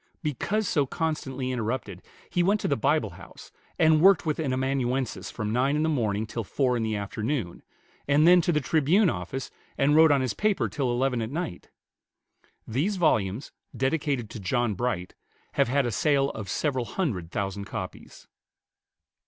Because so constantly interrupted, he went to the Bible House, and worked with an amanuensis from nine in the morning till four in the afternoon, and then to the "Tribune" office, and wrote on his paper till eleven at night. These volumes, dedicated to John Bright, have had a sale of several hundred thousand copies.